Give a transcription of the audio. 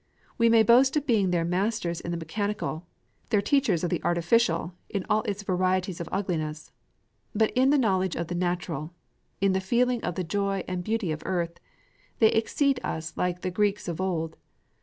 We may boast of being their masters in the mechanical, their teachers of the artificial in all its varieties of ugliness; but in the knowledge of the natural, in the feeling of the joy and beauty of earth, they exceed us like the Greeks of old.